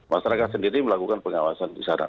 masyarakat sendiri melakukan pengawasan di sana